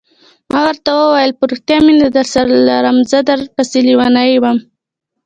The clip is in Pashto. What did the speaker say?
ما ورته وویل: په رښتیا مینه درسره لرم، زه در پسې لیونی وم.